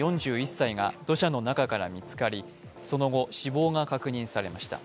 ４１歳が土砂の中から見つかり、その後死亡が確認されました。